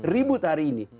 ribut hari ini